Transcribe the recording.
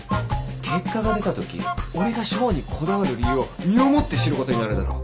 結果が出たとき俺が賞にこだわる理由を身をもって知ることになるだろう。